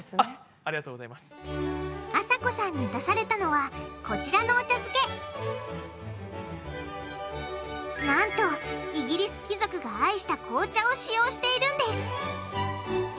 あさこさんに出されたのはこちらのお茶漬けなんとイギリス貴族が愛した紅茶を使用しているんです